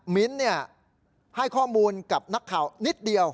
มิ้นให้ข้อมูลกับนักข่าวนิดเดียว